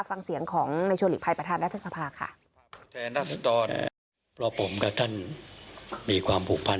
ฟังเสียงของในชัวหลีกภัยประธานรัฐสภาค่ะ